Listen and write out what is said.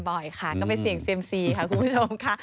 บ่อยค่ะก็ไปเสี่ยงเซียมซีค่ะคุณผู้ชมค่ะ